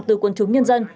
từ quân chúng nhân dân